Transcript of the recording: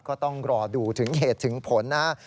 ก็ต้องรอดูถึงเหตุถึงผลนะครับ